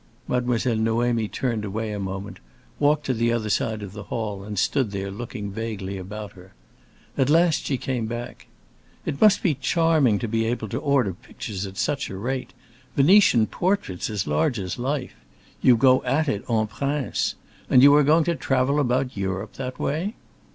Mademoiselle Noémie turned away a moment, walked to the other side of the hall, and stood there, looking vaguely about her. At last she came back. "It must be charming to be able to order pictures at such a rate. Venetian portraits, as large as life! You go at it en prince. And you are going to travel about Europe that way?"